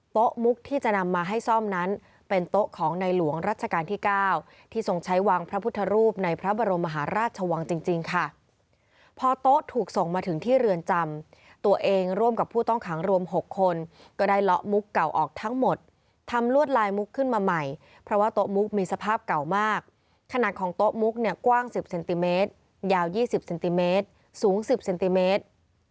พอโต๊ะถูกส่งมาถึงที่เรือนจำตัวเองร่วมกับผู้ต้องขังรวม๖คนก็ได้เหลาะมุกเก่าออกทั้งหมดทำลวดลายมุกขึ้นมาใหม่เพราะว่าโต๊ะมุกมีสภาพเก่ามากขนาดของโต๊ะมุกเนี่ยกว้าง๑๐เซนติเมตรยาว๒๐เซนติเมตรสูง๑๐เซนติเมตร